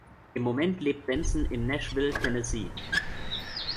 Im Moment lebt Benson in Nashville, Tennessee.